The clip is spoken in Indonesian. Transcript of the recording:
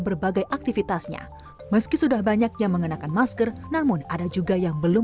berbagai aktivitasnya meski sudah banyak yang mengenakan masker namun ada juga yang belum